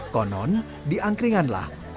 konon diangkringanlah orang orang